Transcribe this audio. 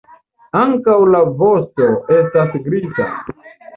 Ankaŭ la vosto estas griza.